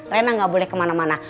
rena nggak boleh kemana mana